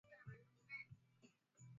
na kuvutia wawekezaji kwenye sekta hiyo